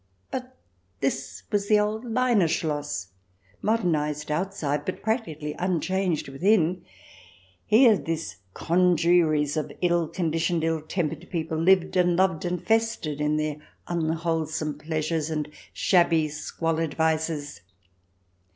But this was the old Leine Schloss, modernized outside, but practically unchanged within. Here this congeries of ill conditioned, ill tempered people lived and loved and festered in their unwholesome pleasures and shabby squalid vices.